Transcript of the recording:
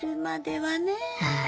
はい。